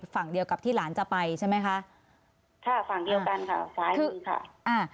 ฝั่งเดียวกับที่หลานจะไปใช่ไหมคะค่ะถ้าฝั่งเดียวกันค่ะซ้ายมือค่ะอ่า